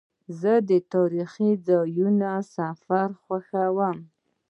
زه د تاریخي ځایونو سفر خوښوم.